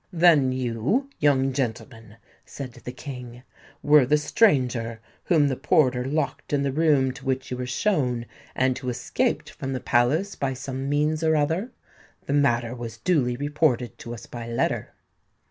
"Then you, young gentleman," said the King, "were the stranger whom the porter locked in the room to which you were shown, and who escaped from the Palace by some means or other? The matter was duly reported to us by letter."